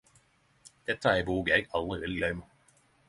Dette er ei bok eg aldri vil gløyme.